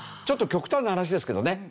ちょっと極端な話ですけどね。